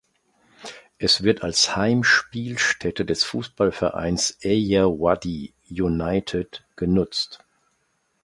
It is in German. Es wird als Heimspielstätte des Fußballvereins Ayeyawady United genutzt.